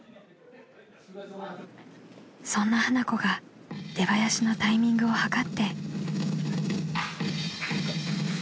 ［そんな花子が出ばやしのタイミングを計って］